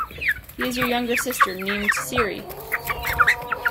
He has a younger sister named Ciri.